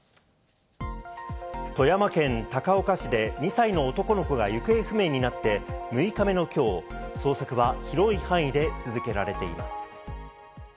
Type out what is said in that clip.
富山県高岡市で２歳の男の子が行方不明になって６日目の今日、捜索は広い範囲で続けられています。